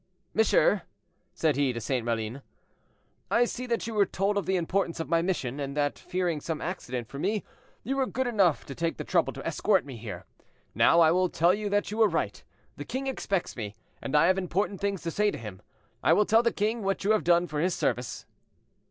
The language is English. "Monsieur," said he to St. Maline, "I see that you were told of the importance of my mission, and that, fearing some accident for me, you were good enough to take the trouble to escort me here: now I will tell you that you were right; the king expects me, and I have important things to say to him. I will tell the king what you have done for his service."